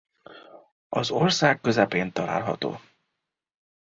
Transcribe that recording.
Az ország közepén található.